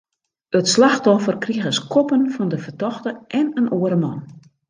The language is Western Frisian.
It slachtoffer krige skoppen fan de fertochte en in oare man.